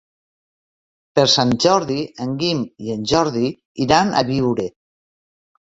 Per Sant Jordi en Guim i en Jordi iran a Biure.